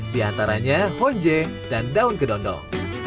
diantaranya honje dan daun kedondong